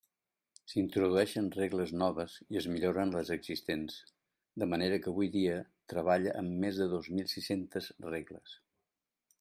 S'introdueixen regles noves i es milloren les existents, de manera que avui dia treballa amb més de dos mil sis-centes regles.